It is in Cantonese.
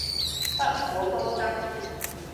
不可多得